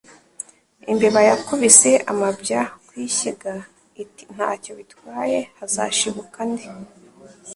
Imbeba yakubise amabya ku ishyiga iti ntacyo bitwaye hazashibuka andi